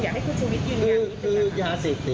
อยากให้คุณชีวิตยืนอย่างนี้ได้ไหมครับ